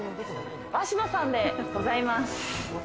「わしの」さんでございます。